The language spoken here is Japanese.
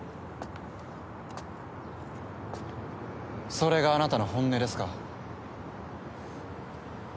それがあなたの本音ですか？